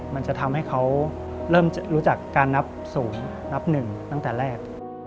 มันจะทำให้เขาเริ่มรู้จักการนับสูงนับหนึ่งตั้งแต่แรก